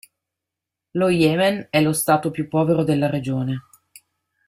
Lo Yemen è lo stato più povero della regione.